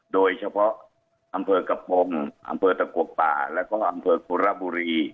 โดยเฉพาะอำเภอกระโปรงอำเภอตะกวกป่าแล้วก็อำเภอกุระบุรี